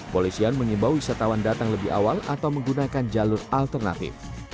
polisian mengimbau wisatawan datang lebih awal atau menggunakan jalur alternatif